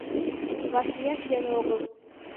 Вашлияш веле огыл.